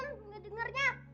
iza bosan dengernya